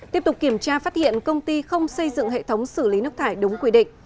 tiếp tục kiểm tra phát hiện công ty không xây dựng hệ thống xử lý nước thải đúng quy định